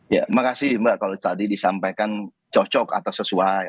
ya makasih mbak kalau tadi disampaikan cocok atau sesuai